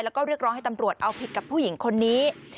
แล้วก็เรียกร้องให้ตำรวจเอาผิดกับผู้หญิงคนนี้